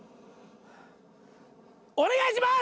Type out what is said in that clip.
お願いします！